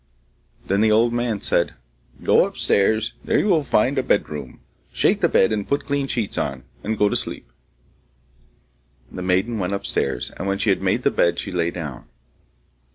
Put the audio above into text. Then the old man said, 'Go upstairs, and there you will find a bedroom; shake the bed, and put clean sheets on, and go to sleep.' The maiden went upstairs, and when she had made the bed, she lay down.